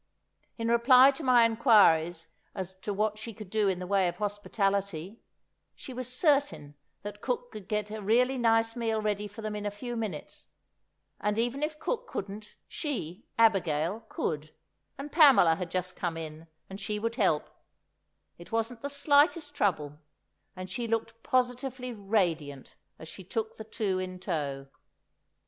In reply to my inquiries as to what she could do in the way of hospitality, she was certain that cook could get a really nice meal ready for them in a few minutes; and if even cook couldn't she, Abigail, could, and Pamela had just come in, and she would help; it wasn't the slightest trouble—and she looked positively radiant as she took the two in tow.